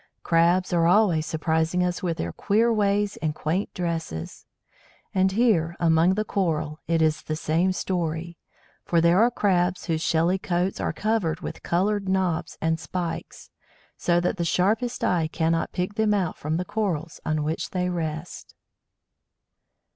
Crabs are always surprising us with their queer ways and quaint "dresses"; and here, among the Coral, it is the same story. For there are Crabs whose shelly coats are covered with coloured knobs and spikes, so that the sharpest eye cannot pick them out from the Corals on which they rest.